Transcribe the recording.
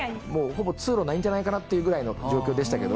ほぼ通路ないんじゃないかなっていうぐらいの状況でしたけど。